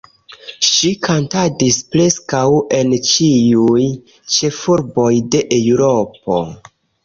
Ŝi kantadis preskaŭ en ĉiuj ĉefurboj de Eŭropo.